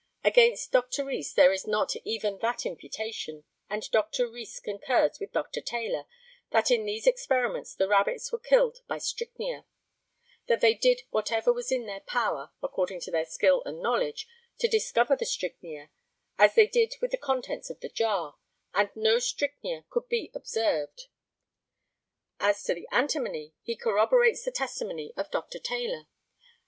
Against Dr. Rees there is not even that imputation, and Dr. Rees concurs with Dr. Taylor that in these experiments the rabbits were killed by strychnia; that they did whatever was in their power, according to their skill and knowledge, to discover the strychnia, as they did with the contents of the jar, and no strychnia could be discovered. As to the antimony, he corroborates the testimony of Dr. Taylor.